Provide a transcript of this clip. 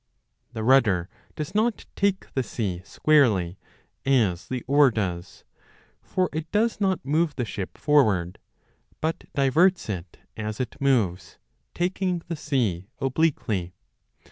The rudder does not 35 take the sea squarely, as the oar does ; for it does not move the ship forward, but diverts it as it moves, taking the sea obliquely.